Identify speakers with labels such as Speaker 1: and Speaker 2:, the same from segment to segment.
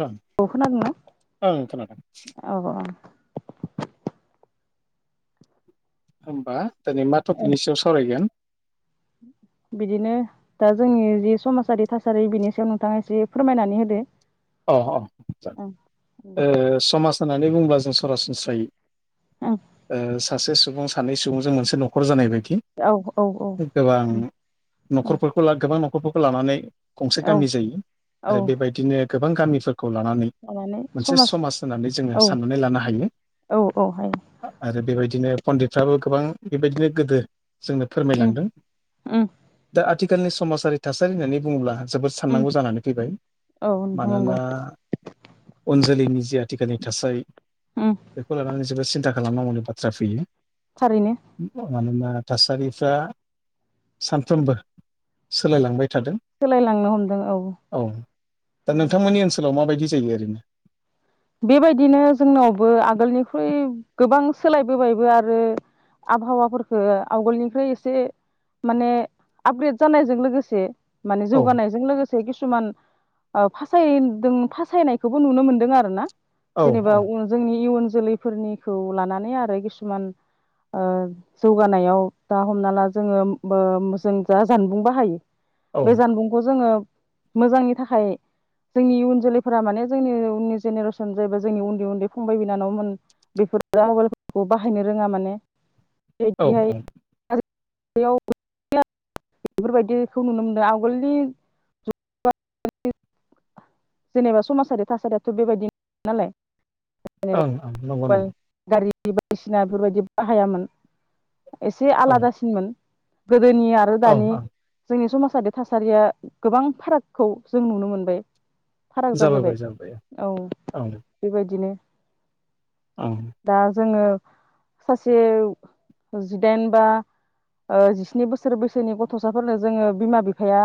Speaker 1: नोंथां
Speaker 2: औ खोनादोंना
Speaker 1: ओं खोनादों
Speaker 2: औ
Speaker 1: होमबा दिनै मा टपिकनि सायाव सावरायगोन
Speaker 2: बिदिनो दा जोंनि जि समाजारि थासारि बिनि सायाव नोंथाङा एसे फोरमायनानै होदो
Speaker 1: औ औ
Speaker 2: ओं दे
Speaker 1: समाज होननानै बुङोब्ला जों सरासनस्रायै
Speaker 2: ओं
Speaker 1: ओ सासे सुबुं सानै सुबुंजों मोनसे न'खर जानाय बायदि
Speaker 2: औ औ औ
Speaker 1: गोबां
Speaker 2: उम उम
Speaker 1: न'खरफोरखौ ला गोबां न'खर न'खफोरखौ लानानै गंसे
Speaker 2: औ
Speaker 1: गामि जायो
Speaker 2: औ
Speaker 1: आरो बेबायदिनो गोबां गामिफोर खौ लानानै मोनसे समाज होननानै जोङो
Speaker 2: औ
Speaker 1: साननानै लानो हायो
Speaker 2: औ औ हायो
Speaker 1: आरो बेबायदि बिदिनो पणडितफ्राबो गोबां बेबायदिनो गोदो जोंनो
Speaker 2: उम
Speaker 1: फोरमायलांदों
Speaker 2: उम
Speaker 1: दा आथि खालनि समाजारि थासारि होननानै बुङोब्ला जोबोद
Speaker 2: उम
Speaker 1: साननांगौ जानानै फैबाय
Speaker 2: औ नोंथां नंगौ
Speaker 1: मानोना उन जोलैनि जि आथिखालनि थासारि
Speaker 2: उम
Speaker 1: बेखौ लानानै जोबोद सिन्था खालामनांगौनि बाथ्रा फैयो
Speaker 2: थारैनो
Speaker 1: मानोना थासारिफ्रा सानफ्रोमबो सोलायलांबाय थादों
Speaker 2: सोलायलांनो हमदों औ
Speaker 1: दा
Speaker 2: उम
Speaker 1: नोंथांमोननि ओनसोलाव माबायदि जायो ओरैनो
Speaker 2: बेबायदिनो जोंनावबो आगोलनिख्रुइ गोबां सोलायबोबायबो आरो आबहावाफोरफोरखौ आवगोलनिफ्राय एसे माने आपग्रेड जानायजों लोगोसे माने
Speaker 1: औ
Speaker 2: जौगानायजों लोगो से किसुमान ओ फासायदों फासायनायखौबो नुनो मोन्दों आरो ना
Speaker 1: औ
Speaker 2: जेनेबा
Speaker 1: औ
Speaker 2: उन जोंनि इयुन जोलैफोरनिखौ लानानै आरो किसुमान ओ जौगानायाव दा हमना ला जोङो बो जों जा जानबुं बाहायो।
Speaker 1: औ
Speaker 2: बे जानबुंखौ जोङो मोजांनि थाखाय जोंनि इयुन जोलैफोरा माने जोंनि उननि जेनेरे सन जायबा जोंनि उन्दै उन्दै फंबाय बिनानावमोन बेफोरो मबाइलफोरखौ बाहायनो रोङा माने। [inaudible] [inaudible]
Speaker 1: औ
Speaker 2: बेफोरबायदिखौ नुनो मोनदों आवगोलनि जेनेबा समाजारि थासारियाथ' बेबायदि नालाय।
Speaker 1: ओं ओं नंगौ
Speaker 2: जेनेबा
Speaker 1: नंगौ।
Speaker 2: गारि बायदिसिना बेफोरबायदि बाहायामोन एसे
Speaker 1: औ
Speaker 2: आलादासिनमोन। गोदोनि आरो
Speaker 1: औ
Speaker 2: दानि
Speaker 1: ओं
Speaker 2: जोंनि समाज जारि थासारिया गोबां फारागखौ जों नुनो मोनबाय। फाराग जाबोबाय औ
Speaker 1: ओं
Speaker 2: बेबायदिनो।
Speaker 1: ओं
Speaker 2: दा जोङो सासे जिदाइन बा ओ जिस्नि बोसोर बैसोनि गथ'साफोरनो जोङो बिमा बिफाया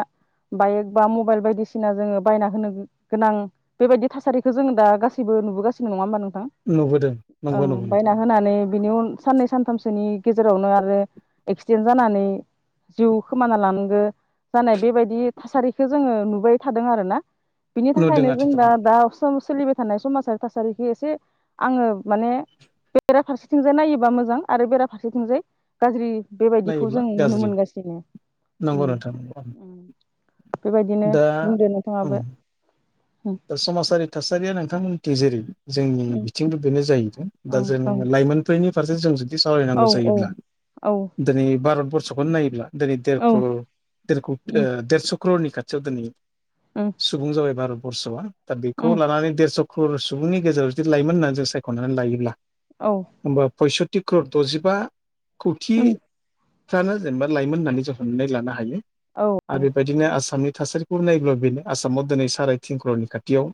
Speaker 2: बाइक बा मबाइल बायदिसिना जोङो बायना होनो गोनां बेबायदि थासारिखौ जोङो दा गासिबो नुबोगासिनो नङा होमबा नों
Speaker 1: नुबोदो।
Speaker 2: ओं बायना होनानै बिनि उन साननै सानथामसोनि गेजेरावनो आरो एक्सिडेन्ट जानानै जिउ खोमाना लानांगो जानाय बेबायदि थासारिखौ जोङो नुबाय थादों आरोना। बिनि
Speaker 1: नुदों
Speaker 2: थाखायनो जों
Speaker 1: आथिखाल
Speaker 2: दा दा सम सोलिबाय थानाय समाजारि थासारिखौ एसे आङो माने बेरा फारसेथिंजाय नायोबा मोजां आरो बेराफारसेथिंजाय गाज्रि बेबायदिखौ
Speaker 1: नायोब्ला
Speaker 2: जों नुनो
Speaker 1: गाज्रि
Speaker 2: मोनगासिनो
Speaker 1: नंगौ
Speaker 2: उम
Speaker 1: नोंथां नंगौ
Speaker 2: उम। बेबायदिनो
Speaker 1: दा
Speaker 2: बुंदो
Speaker 1: ओं
Speaker 2: नोंथाङाबो। उम
Speaker 1: दा समाजारि थासारिया नोंथांमोननिथिं जेरै जोंनि बिथिंबो बेनो जाहैदों दा
Speaker 2: उम उम
Speaker 1: जोङो लाइमोनफोरनि फारसे जों जुदि दि
Speaker 2: औ
Speaker 1: सावरायनांगौ
Speaker 2: औ
Speaker 1: जायोब्ला
Speaker 2: औ
Speaker 1: दोनै भारतबर्ष खौनो नायोब्ला दोनै देर
Speaker 2: औ
Speaker 1: क्रर देरकौ
Speaker 2: उम
Speaker 1: ओ देरस' क्ररनि खाथियाव दोनै
Speaker 2: उम
Speaker 1: सुबुं जाबाय भारतबर्षआ दा बेखौ
Speaker 2: उम
Speaker 1: लानानै देरस' क्रर सुबुंनि गेजेराव जुदि लाइमोन होननानै जों सायख'नानै लायोब्ला
Speaker 2: औ
Speaker 1: होमबा पयस' टिक्रर द'जिबा
Speaker 2: उम
Speaker 1: खौथिफ्रानो जेनेबा लाइमोन होननानै जों हमनाय लानो हायो।
Speaker 2: औ
Speaker 1: आरो बेबायदिनो आसामनि थासारिखौ नायोब्ला बेनो आसामाव दिनै सारायथिन क्ररनि खाथियाव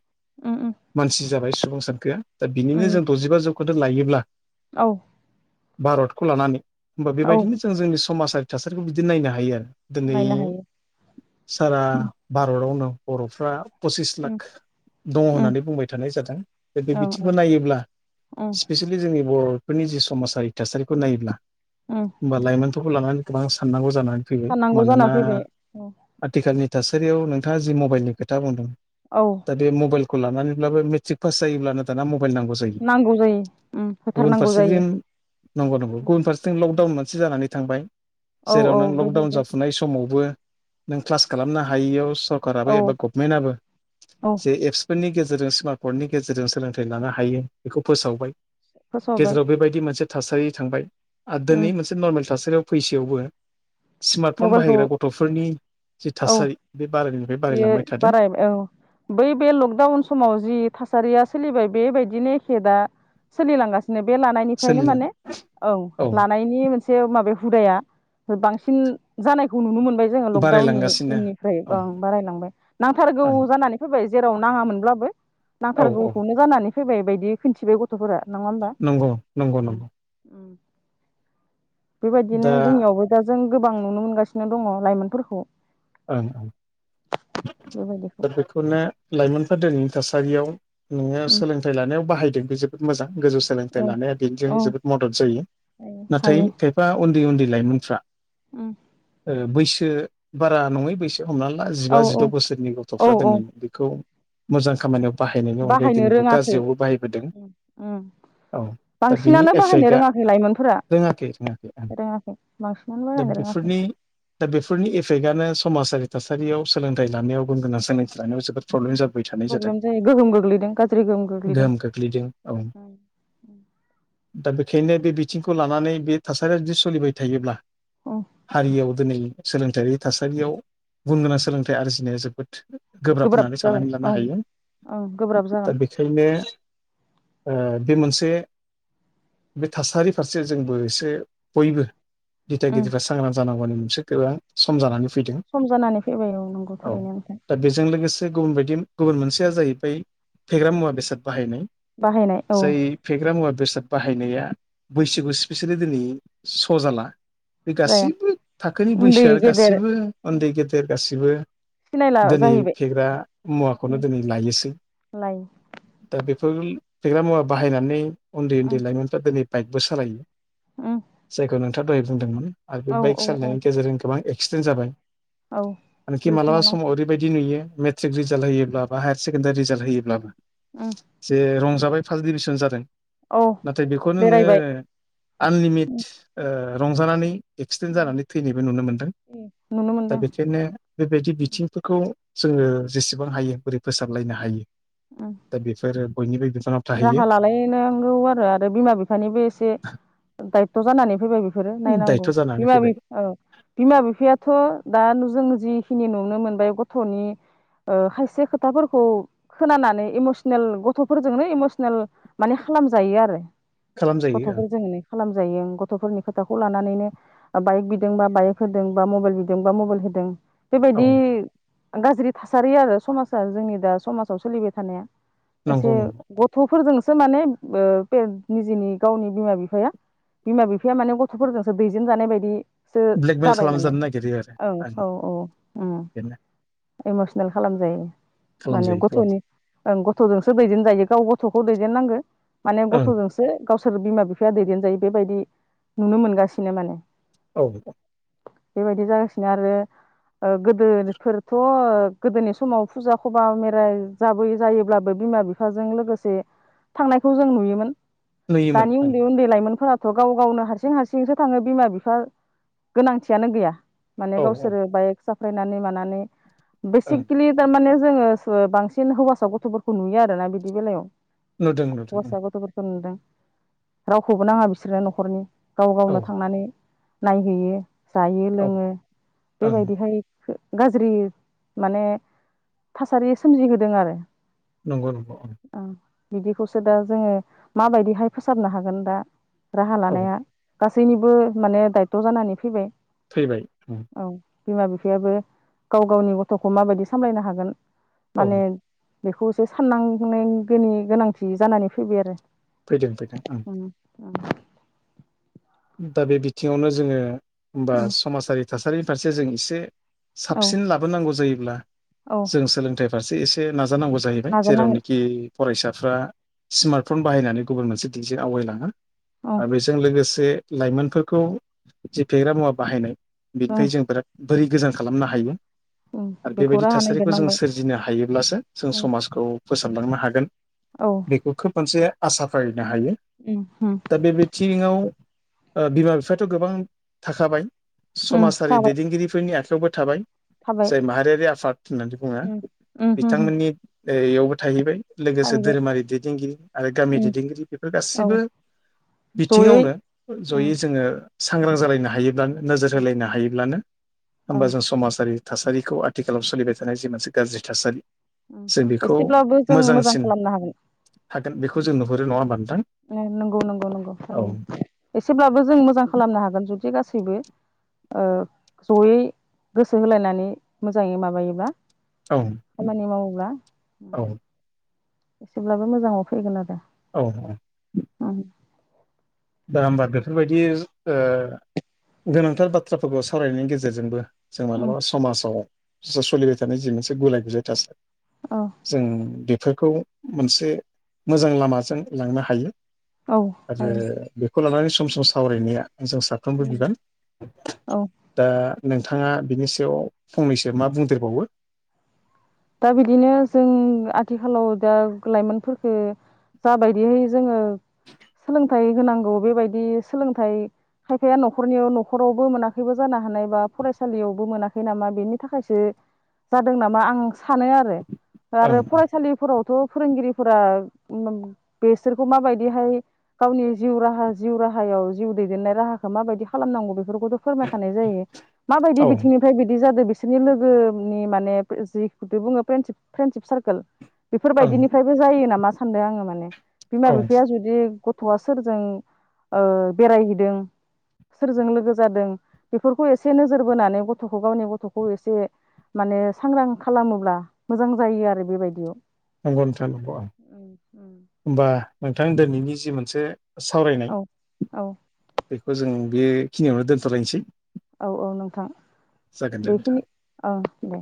Speaker 2: उम उम
Speaker 1: मानसि जाबाय सुबुं सानखोया दा बिनिनो
Speaker 2: उम
Speaker 1: जों द'जिबा जौखौन्दो लायोब्ला
Speaker 2: औ
Speaker 1: भारतखौ लानानै होमबा
Speaker 2: औ
Speaker 1: बेबायदिनो जों जोंनि समाजारि थासारिखौ बिदि नायनो हायो आरो। दोनै
Speaker 2: नायनो हायो
Speaker 1: सारा भारतावनो बर'फ्रा पसिस
Speaker 2: उम
Speaker 1: लाख दङ
Speaker 2: उम
Speaker 1: होननानै बुंबाय थानाय जादों दा बे
Speaker 2: औ औ
Speaker 1: बिथिंखौ नायोब्ला
Speaker 2: उम
Speaker 1: स्पेसियेलि जोंनि बर' फोरनि जि समाजारि थासारिखौ नायोब्ला
Speaker 2: उम
Speaker 1: होमबा लाइमोनफोरखौ लानानै गोबां साननांगौ जानानै फैयो
Speaker 2: साननांगौ जाना
Speaker 1: मानोना
Speaker 2: फैबाय औ
Speaker 1: आथिखालनि थासारियाव नोंथाङा जि मबाइलनि खोथा बुंदों
Speaker 2: औ
Speaker 1: दा बे मबाइल खौ लानानैब्लाबो मेट्रिक पास जायोब्लानो दाना म
Speaker 2: नांगौ जायो। उम
Speaker 1: गुबुन
Speaker 2: होथारनांगौ जायो
Speaker 1: फारसेथिं नंगौ नंगौ
Speaker 2: उम
Speaker 1: गुबुन फारसेथिं
Speaker 2: उम
Speaker 1: लकडाउन मोनसे जानानै थांबाय
Speaker 2: औ
Speaker 1: जेराव
Speaker 2: औ
Speaker 1: नों लकडाउन
Speaker 2: बेहायबो
Speaker 1: जाफुनाय समावबो नों क्लास खालामनो हायियाव
Speaker 2: औ
Speaker 1: सरकाराबो एबा गभमेन्टआबो
Speaker 2: औ
Speaker 1: जे एपसफोरनि गेजेरजों स्मार्टफननि गेजेरजों सोलोंथाइ लानो हायो बेखौ फोसावबाय।
Speaker 2: फोसावबाय
Speaker 1: गेजेराव बेबायदि मोनसे थासारि थांबाय आरो दोनै
Speaker 2: उम
Speaker 1: मोनसे नर्मेल थासारियाव फैसेयावबो स्मार्टफन
Speaker 2: मबाइलखौ
Speaker 1: बाहायग्रा गथ'फोरनि जि
Speaker 2: औ
Speaker 1: थासारि बे बारायनिफ्राय
Speaker 2: बेयो
Speaker 1: बारायलांबाय थादों।
Speaker 2: बाराय औ बै बे लकडाउन समाव जि थासारिया सोलिबाय बे बायदिनो एखे दा सोलिलांगा सानो बे लानायनिफ्रायनो
Speaker 1: सोलिला
Speaker 2: माने औ लानायनि मोनसे माबे हुदाया बांसिन जानायखौ नुनो मोन बाय जोङो लकडाउननि
Speaker 1: बारायलांगासिनो
Speaker 2: उननिफ्राय
Speaker 1: औ
Speaker 2: बारायलांबाय नांथारगौ
Speaker 1: ओं
Speaker 2: जानानै फैबाय। जेराव नाङामोनब्लाबो
Speaker 1: औ औ
Speaker 2: नांथारगौखौनो जानानै फैबाय बायदि खिन्थिबाय गथ' फोरा नङा होमबा?
Speaker 1: नंगौ नंगौ
Speaker 2: उम
Speaker 1: नंगौ
Speaker 2: उम बेबायदिनो
Speaker 1: दा
Speaker 2: जोंनियावबो दा जों गोबां नुनो मोनगासिनो दङ लाइमोनफोरखौ
Speaker 1: ओं
Speaker 2: बेबायदिखौ
Speaker 1: दा बेखौनो लाइमोनफ्रा दोनै थासारियाव नोङो
Speaker 2: उम
Speaker 1: सोलोंथाइ लानायाव बाहायदों बे जोबोद मोजां‌। गोजौ
Speaker 2: औ
Speaker 1: सोलोंथाइ लानाया बेनिजों
Speaker 2: औ
Speaker 1: जोबोद मदद जायो नाथाय
Speaker 2: हायो
Speaker 1: खायफा उन उन्दै उन्दै लाइमोनफ्रा
Speaker 2: उम
Speaker 1: बैसो बारा नङै बैसो हमना ला जिबा
Speaker 2: औ औ
Speaker 1: जिद' बोसोरनि
Speaker 2: औ
Speaker 1: गथ'फ्रा
Speaker 2: औ
Speaker 1: दिनै बेखौ मोजां खामानियाव बाहायनायनि अनगायै
Speaker 2: बाहायनो
Speaker 1: दिनैबो
Speaker 2: रोङाखै
Speaker 1: गाज्रियावबो बाहायबोदों।
Speaker 2: उम उम
Speaker 1: औ दा बिनि
Speaker 2: बांसिनानो बाहायनो
Speaker 1: एफेक्टआ
Speaker 2: रोङाखै लाइमोनफोरा
Speaker 1: रोङाखै रोङाखै
Speaker 2: रोङाखै बांसिनानो
Speaker 1: दा
Speaker 2: बाहायनो रोङाखै
Speaker 1: बेफोरनि दा बेफोरनि एफेक्टआ नो‌ समाजारि थासारियाव सोलोंथाइ लानायाव गुन गोनां सोलोंथाइ लानायाव जोबोद प्रब्लेम जाद
Speaker 2: प्रब्लेम जायो गोहोम गोग्लैदों गाज्रि गोहोम गोग्लैदों।
Speaker 1: खोख्लैदों औ
Speaker 2: [inaudible]
Speaker 1: दा बेखायनो बे बिथिंखौ लानानै बे थासारिया जुदि सोलिबाय थायोब्ला
Speaker 2: औ
Speaker 1: हारियाव दिनै सोलोंथाइ थासारियाव गुन गोनां सोलोंथाइ आरजिनाया जोबोद गोब्राब होननानै
Speaker 2: जागोन
Speaker 1: साननानै लानो
Speaker 2: औ
Speaker 1: हायो
Speaker 2: ओं गोब्राब
Speaker 1: दा
Speaker 2: जागोन
Speaker 1: बेखायनो ओ बे मोनसे बे थासारि फारसे जोंबो एसे बयबो
Speaker 2: उम
Speaker 1: दिथागिरिफ्रा सांग्रां जानांगौनि मोनसे गोबां सम जानानै फैदों
Speaker 2: सम जानानै फैबाय औ नंगौ
Speaker 1: औ
Speaker 2: थारैनो नोंथां
Speaker 1: दा बेजों लोगोसे गुबुन बायदि गुबुन मोनसेया जाहैबाय फेग्रा मुवा बेसाद बाहायनाय
Speaker 2: बाहायनाय औ
Speaker 1: जाय फेग्रा मुवा बेसाद बाहायनाया बैसो स्पेसियेलि दिनै स' जाला बे
Speaker 2: जाया
Speaker 1: गासैबो थाखोनि
Speaker 2: उन्दै
Speaker 1: बैसोआ
Speaker 2: गेदेर
Speaker 1: गासैबो
Speaker 2: उम
Speaker 1: उन्दै गेदेर गासैबो
Speaker 2: सिनायला
Speaker 1: दिनै
Speaker 2: जाहैबाय
Speaker 1: फेग्रा मुवाखौनो
Speaker 2: उम
Speaker 1: दिनै लायोसै
Speaker 2: लायो
Speaker 1: दा बे फोर फेग्रा मुवा बाहायनानै उन्दै उन्दै
Speaker 2: उम
Speaker 1: लाइमोनफ्रा दिनै बाइकबो सालायो।
Speaker 2: उम
Speaker 1: जायखौ नोंथाङा दहाय बुंदोंमोन आरो बे
Speaker 2: औ
Speaker 1: बाइक
Speaker 2: औ औ
Speaker 1: सालायनायनि गेजेरजों गोबां एक्सिडेन्ट जाबाय।
Speaker 2: औ
Speaker 1: मानखि
Speaker 2: जिउ
Speaker 1: मालाबा
Speaker 2: खोमानां
Speaker 1: समाव ओरैबायदि नुयो मेट्रिक रिजाल्ट होयोब्ला बा हायार सेकेण्डारि रिजाल्ट होयोब्लाबो
Speaker 2: उम
Speaker 1: जे रंजा जाबाय फार्स्ट डिभिसन जादों
Speaker 2: औ
Speaker 1: नाथाय बेखौनो नोङो
Speaker 2: बेरायबाय
Speaker 1: आनलिमिट ओ रंजानानै एक्सिडेन्ट
Speaker 2: उम
Speaker 1: जानानै थैनायबो नुनो मोन्दों।
Speaker 2: नुनो
Speaker 1: दा
Speaker 2: मोनदों
Speaker 1: बेखायनो बेबायदि बिथिंफोरखौ जोङो जेसेबां हायो बोरै फोसाबलायनो हायो
Speaker 2: उम
Speaker 1: दा बेफोरो बयनिबो बिफाना
Speaker 2: राहा लालायनांगौ आरो आरो बिमा बिफानिबो एसे दायथ' जानानै फैबाय बेफोरो नायनांगौ
Speaker 1: दायथ' जानानै
Speaker 2: बिमा
Speaker 1: फैबाय
Speaker 2: बिफा औ बिमा बिफायाथ' दा जों जिखिनि नुनो मोनबाय गथ'नि ओ खायसे खोथाफोरखौ खोनानानै इमसनेल गथ'फो फोरजोंनो इमसनेल मानो खालाम जायो आरो
Speaker 1: खालामजायो ओं
Speaker 2: गथ'फोर खालाम गथ'फोरनि खोथाखौ लानानैनो बाइक बिदोंबा बाइक होदों बा मबाइल बिदोंबा मबाइल होदों
Speaker 1: औ
Speaker 2: बेबायदि गाज्रि थासारि आरो समाजा जोंनि दा समाजाव सोलिबाय थानाया एसे
Speaker 1: नंगौ नंगौ
Speaker 2: गथ'फोरजोंसो माने ओ निजेनि गावनि बिमा बिफाया बिमा बिफाया माने गथ'फोरजोंसो दैजेन जानाय बायदि सो
Speaker 1: ब्लेकमेल
Speaker 2: जाबाय माने
Speaker 1: खालामजानो नागिरो आरो
Speaker 2: औ
Speaker 1: आं
Speaker 2: औ औ
Speaker 1: बेनो
Speaker 2: इमसनेल खालामजायो माने
Speaker 1: खालामजायो खालामजायो
Speaker 2: गथ'नि गथ'जोंसो दैदेनजायो गाव गथखौ दैदेन नांगौ माने
Speaker 1: ओं
Speaker 2: गथजोंसो सोर बिमा बिफाया दैदेनजायो बेबायदि नुनो मोनगासिनो माने
Speaker 1: औ
Speaker 2: बेबायदि जागासिनो आरो गोदोफोरथ' गोदोनि समाव फुजा खबा मरायाइ जाबोय जायोब्लाबो बिमा बिफाजों लोगोसे थांनायखौ जों नुयोमोन
Speaker 1: नुयोमोन
Speaker 2: दानि
Speaker 1: ओं
Speaker 2: उन्दै उन्दै लाइमोनफोराथ' थ' गाव गावनो हारसिं हारसिंसो थाङो बिमा बिफा गोनांथियानो गैया माने
Speaker 1: औ औ
Speaker 2: गावसोरो बाइक साफायनानै मानानै
Speaker 1: ओं
Speaker 2: बेसिकेलि थारमाने जोङो बांसिन हौवासाव गथ'फोरखौ नुयो आरोना बिदि बेलायाव
Speaker 1: नुदों नुदों ओं
Speaker 2: हौवासा गथ'फोरखौ नुदों रावखौबो नाङा बिसोरनो न'खरनि गाव
Speaker 1: औ
Speaker 2: गावनो थांनानै नायहैयो जायो
Speaker 1: औ
Speaker 2: लोङो
Speaker 1: ओं
Speaker 2: बेबायदिहाय गाज्रि माने थासारि सोमजिहोदों आरो
Speaker 1: नंगौ नंगौ
Speaker 2: औ बिदिखौसो दा जोङो माबायदिहाय फोसाबनो हागोन दा राहा
Speaker 1: औ
Speaker 2: लानाया गासैनिबो माने दायथ' जानानै फैबाय
Speaker 1: थैबाय
Speaker 2: औ बिमा बिफायाबो गाव गावनि गथ'खौ माबायदि सामलायनो हागोन
Speaker 1: औ
Speaker 2: माने बेखौसो साननांनांगौनि गोनांथि जानानै फैबाय आरो
Speaker 1: फैदों फैदों ओं
Speaker 2: औ
Speaker 1: दा बे बिथिङावनो जोङो होनबा
Speaker 2: उम
Speaker 1: समाजारि थासारिनि फारसे जों एसे
Speaker 2: औ
Speaker 1: साबसिन लाबोनांगौ जायोब्ला
Speaker 2: औ
Speaker 1: जों सोलोंथाइ फारसे एसे नाज जानांगौ जाहैबाय
Speaker 2: नाजानांगोन
Speaker 1: जेरावनोखि फरायसा फ्रा स्मार्टफन बाहायनानै गुबुन मोनसे जि आवगायलाङो
Speaker 2: औ
Speaker 1: आरो बेजों लोगोसे लाइमोनफोरखौ जे फेग्रा मुवा बाहायनाय
Speaker 2: ओं
Speaker 1: बिनिफ्राय जों बिराद बोरै गोजान खालामनो हायो
Speaker 2: ओं
Speaker 1: आरो
Speaker 2: बेखौ
Speaker 1: बेबायदि
Speaker 2: राहा
Speaker 1: थासारिखौ जों
Speaker 2: नागिरनांबाय
Speaker 1: सोरजिनो हायोब्लासो जों
Speaker 2: उम
Speaker 1: समाजखौ फोसाबलांनो हागोन
Speaker 2: औ
Speaker 1: बेखौ खोब मोनसे आसा फारिनो हायो
Speaker 2: उम उम
Speaker 1: दा बे बिथिङाव बिमा बिफायाथ' गोबां थाखाबाय
Speaker 2: उम
Speaker 1: समाजारि
Speaker 2: थाबाय
Speaker 1: दैदेनगिरिफोरनि आखायाव वबो थाबाय
Speaker 2: थाबाय
Speaker 1: जाय माहारियारि आफाद होननानै बुङो
Speaker 2: उम उम उम
Speaker 1: बिथांमोननि यावबो थाहैबाय लोगोसे
Speaker 2: थाहैबाय
Speaker 1: धोरोमारि दैदेनगिरि आरो गामि
Speaker 2: उम
Speaker 1: दैदेनगिरि बेफोर
Speaker 2: औ
Speaker 1: गासिबो
Speaker 2: जयै
Speaker 1: बिथिङावनो
Speaker 2: उम
Speaker 1: जयै जोङो सांग्रां जालायनो हायोब्लानो नोजोर
Speaker 2: औ
Speaker 1: होलायनो हायोब्लानो
Speaker 2: औ
Speaker 1: होमबा जों समाजारि थासारिखौ आथिखालाव सोलिबाय थानाय जि मोनसे गाज्रि थासारि जों बेखौ
Speaker 2: एसेब्लाबो जों मोजां
Speaker 1: मोजांसिन
Speaker 2: खालामनो
Speaker 1: थागोन बेखौ जों नुहुरो नङा होमबा नोंथां
Speaker 2: हागोन नंगौ नंगौ नंगौ
Speaker 1: औ
Speaker 2: थारैनो एसेब्लाबो जों मोजां खालामनो हागोन जुदि गासैबो ओ जयै गोसो होलायनानै मोजाङै माबायोबा
Speaker 1: औ
Speaker 2: खामानि मावोब्ला
Speaker 1: औ
Speaker 2: एसेब्लाबो मोजाङाव फैगोन आरो
Speaker 1: औ
Speaker 2: उम
Speaker 1: दा होमबा बेफोरबायदि जो ओ गोनांथार बाथ्राफोरखौ सावरायनायनि गेजेरजोंबो जों
Speaker 2: उम
Speaker 1: मालाबा समाजाव सोलिबाय थानाय जि मोनसे गुलाय गुजाय थासारि
Speaker 2: औ
Speaker 1: जों बेफोरखौ मोनसे मोजां लामाजों लांनो हायो
Speaker 2: औ हायो
Speaker 1: खौ लानानै सम सम सावरायनाया जों साफ्रोमबो बिबान
Speaker 2: औ
Speaker 1: दा नोंथाङा बिनि सायाव फंनैसो मा बुंदेरबावो
Speaker 2: दा बिदिनो जों आथिखालाव दा लाइमोनफोरफोरखो जाबायदिहै जोङो सोलोंथाइ होनांगौ बेबायदि सोलोंथाइ खायफाया न'खरनियाव न'खरावबो मोनाखैबो जानो हानाय बा फरायसालियावबो मोनाखै नामा बेनि थाखायसो जादों नामा आं सानो आरो
Speaker 1: ओं
Speaker 2: आरो
Speaker 1: ओं
Speaker 2: फरायसालिफोराव थ' फोरोंगिरिफोरा बेसोरखौ माबायदिहाय गावनि जिउ राहा जिउ राह राहायाव जिउ दैदेननाय राहाखौ माबायदि खालामनांगौ बेखौ बेफोरखौथ' फोरमायखानाय जायो माबायदि
Speaker 1: औ
Speaker 2: बिथिंनिफ्राय बिदि जादो बिस बिसोरनि लोगोनि माने जिखौथ बुङो प्रेन्डसिप फ्रेन्डसिप सार्कोल
Speaker 1: ओं
Speaker 2: बेफोरबायदिनिफ्रायबो जायो नामा सानदों आङो माने बिमा
Speaker 1: औ
Speaker 2: बिफाया जुदि गथ थ'वा सोरजों ओ बेरायहैदों सोरजों लोगो जादों बेफोरखौ एसे नोजोर बोनानै गथ'खौ गावनि गथ'खौ एसे माने सांग्रां खालामोब्ला मोजां जायो आरो बेबायदियाव
Speaker 1: नंगौ नोंथा नंगौ
Speaker 2: उम उम
Speaker 1: होमबा नोंथां दिनैनि जि मोनसे सावरायनाय
Speaker 2: औ औ
Speaker 1: बेखौ जों बेखिनियावनो दोनथ'लायनोसै
Speaker 2: औ औ नोंथां
Speaker 1: जागोन दे नोंथां
Speaker 2: बेखिनि अ दे